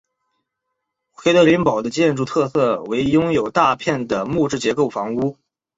奎德林堡的建筑特色为拥有大片的木质结构房屋。